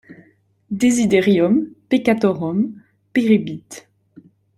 Desiderium peccatorum peribit.